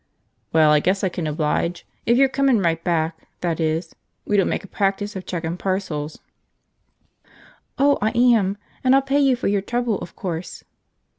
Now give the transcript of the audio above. "Well, I guess I can oblige. If you're comin' right back, that is. We don't make a practice of checkin' parcels." "Oh, I am! And I'll pay you for your trouble, of course."